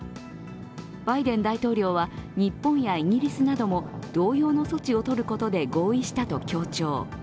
バイデン大統領は、日本やイギリスなども同様の措置をとることで合意したと強調。